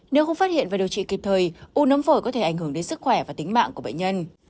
nếu không phát hiện và điều trị kịp thời u nấm phổi có thể ảnh hưởng đến sức khỏe và tính mạng của bệnh nhân